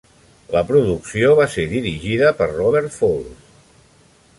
La producció va ser dirigida per Robert Falls.